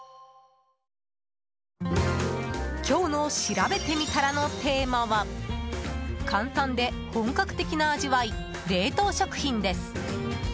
今日のしらべてみたらのテーマは簡単で本格的な味わい冷凍食品です。